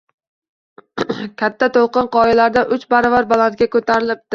Katta to‘lqin qoyalardan uch baravar balandga ko‘tarilibdi